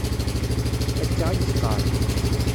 Akka i yeqqar.